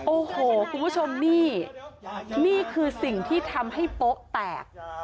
โอ้โหคุณผู้ชมนี่นี่คือสิ่งที่ทำให้โป๊ะแตก